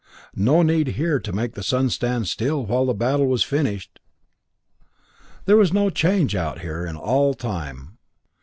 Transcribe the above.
No need here to make the sun stand still while the battle was finished! There was no change out here in all time!